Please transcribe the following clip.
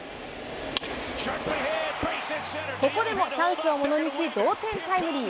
ここでもチャンスをものにし、同点タイムリー。